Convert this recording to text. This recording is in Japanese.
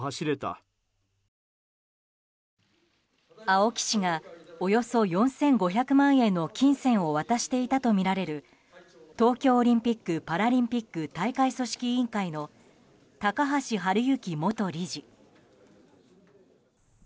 青木氏がおよそ４５００万円の金銭を渡していたとみられる東京オリンピック・パラリンピック大会組織委員会の高橋治之元理事。